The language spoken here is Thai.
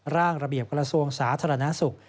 ร่างระเบียบกระทรวงสาธารณสุข